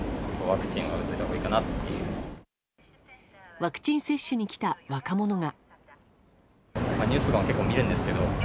ワクチン接種に来た若者が。